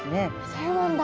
そうなんだ。